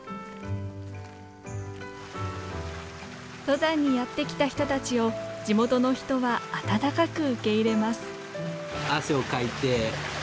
登山にやって来た人たちを地元の人は温かく受け入れます。